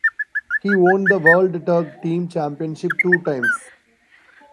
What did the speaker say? He won the World Tag Team Championship two times.